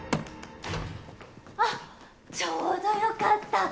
あっちょうどよかった。